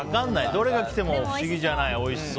どれが来ても不思議じゃない。